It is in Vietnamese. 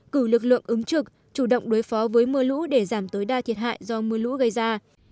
cử lực lượng ứng trực chủ động đối phó với mưa lũ để giảm tối đa thiệt hại do mưa lũ gây ra